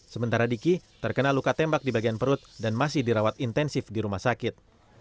sementara diki terkena luka tembak di bagian perut dan masih dirawat intensif di rumah sakit